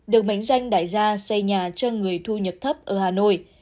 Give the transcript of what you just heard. được mệnh danh đại gia xây nhà cho người thu nhập thấp ở hà nội